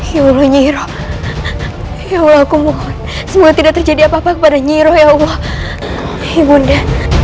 ya allah nyiroh ya allah aku mohon semoga tidak terjadi apa apa kepada nyiroh ya allah ibunda